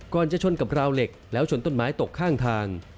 จะชนกับราวเหล็กแล้วชนต้นไม้ตกข้างทาง